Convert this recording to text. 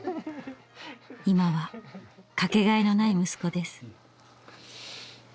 今は掛けがえのない息子です。